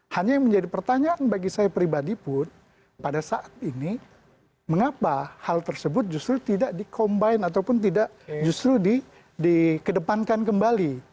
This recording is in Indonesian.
hanya yang menjadi pertanyaan bagi saya pribadi pun pada saat ini mengapa hal tersebut justru tidak di combine ataupun tidak justru dikedepankan kembali